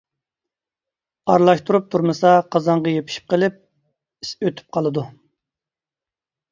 ئارىلاشتۇرۇپ تۇرمىسا، قازانغا يېپىشىپ قېلىپ، ئىس ئۆتۈپ قالىدۇ.